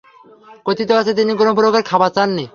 কথিত আছে, তিনি কোন প্রকার খাবার চাননি।